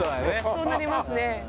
そうなりますね。